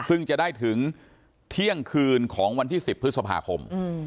ซึ่งจะได้ถึงเที่ยงคืนของวันที่๑๐พฤษภาคม